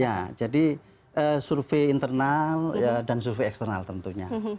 ya jadi survei internal dan survei eksternal tentunya